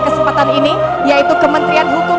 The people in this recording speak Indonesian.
kesempatan ini yaitu kementerian hukum